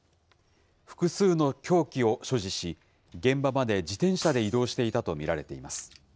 複数の凶器を所持し、現場まで自転車で移動していたと見られています。